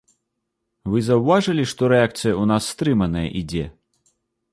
Вы заўважылі, што рэакцыя ў нас стрыманая ідзе?